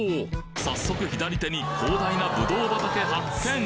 早速左手に広大なぶどう畑発見！